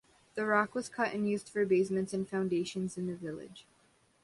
The rock was cut and used for basements and foundations in the village.